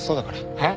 えっ！？